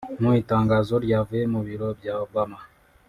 mu itangazo ryavuye mu biro bya Obama